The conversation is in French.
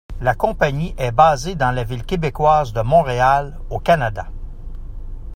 La compagnie est basée dans la ville québécoise de Montréal, au Canada.